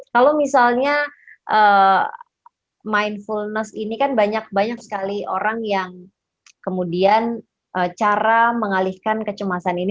kalau misalnya mindfulness ini kan banyak sekali orang yang kemudian cara mengalihkan kecemasan ini